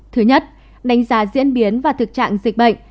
thứ nhất đánh giá diễn biến và thực trạng dịch bệnh